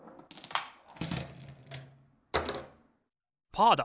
パーだ！